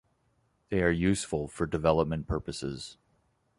They are useful for development purposes.